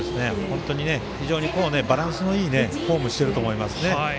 非常にバランスのいいフォームをしていると思います。